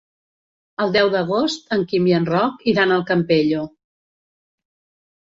El deu d'agost en Quim i en Roc iran al Campello.